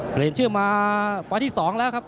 เปลี่ยนชื่อมาไฟล์ที่๒แล้วครับ